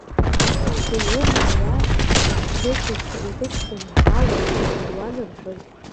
Уимоу, ауаа аԥрыгақәа ирықәтәан ҳауалагь иԥыруан, — рҳәоит.